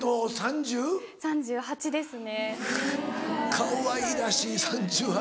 かわいらしい３８。